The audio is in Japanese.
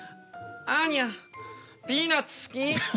アーニャピーナツ好き。